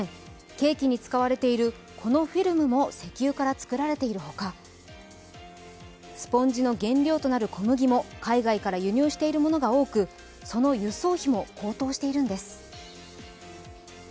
ケーキに使われているこのフィルムも石油から作られているほか、スポンジの原料となる小麦も海外から輸入しているものが多く、その輸送費も高騰しているんです。